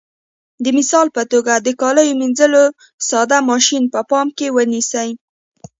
د مثال په توګه د کالیو منځلو ساده ماشین په پام کې ونیسئ.